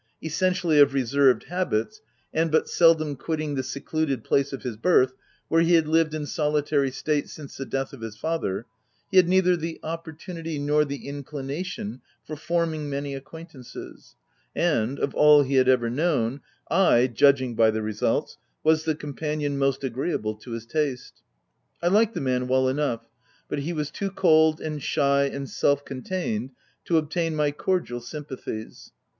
Essenti ally of reserved habits, and but seldom quit ting the secluded place of his birth, where he had lived in solitary state since the death of his father, he had neither the opportunity nor the inclination for forming many acquaintances ; and, of all he had ever known, I, (judging by the results,) was the companion most agreeable to his taste. I liked the man well enough, but he was too cold, and shy, and self contained, to obtain my cordial sympathies.